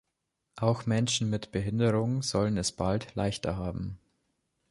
Auch Menschen mit Behinderungen sollen es bald leichter haben.